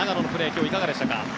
今日、いかがでしたか？